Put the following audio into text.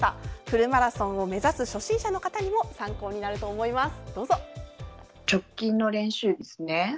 フルマラソンを目指す初心者の方にも参考になると思います。